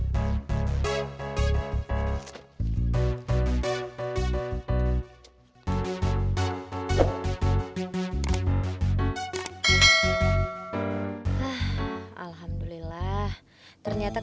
lho tempatnya luar biasa